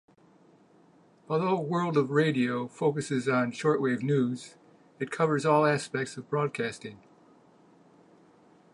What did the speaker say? Although "World of Radio" focuses on shortwave news, it covers all aspects of broadcasting.